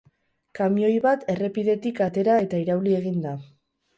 Kamioi bat errepidetik atera eta irauli egin da.